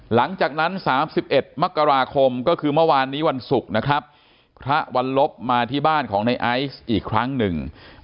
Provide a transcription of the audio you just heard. หลังจากนั้น๓๑มกราคมก็คือเมื่อวานนี้วันศุกร์นะครับพระวันลบมาที่บ้านของในไอซ์อีกครั้งหนึ่ง